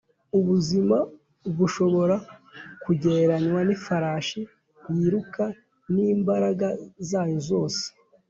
ubuzima bushobora kugereranywa n’ifarashi yiruka n’imbaraga zayo zose.